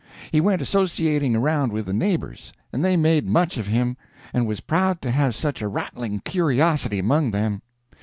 He went associating around with the neighbors, and they made much of him, and was proud to have such a rattling curiosity among them.